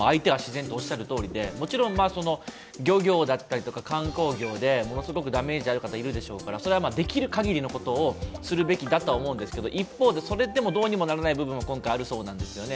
もちろん漁業だったりとか観光業でものすごくダメージがある方がいるでしょうからそれはできるかぎりのことをするべきだとは思うんですが、一方で、それでもどうにもならない部分が今回はあるそうなんですね。